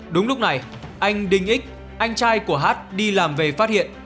đúng lúc này anh đinh x anh trai của hát đi làm về phát hiện